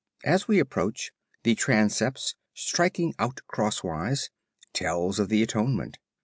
As we approach, the Transepts, striking out crosswise, tell of the Atonement.